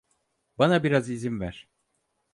Bana biraz izin ver.